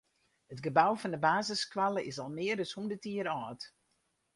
It gebou fan de basisskoalle is al mear as hûndert jier âld.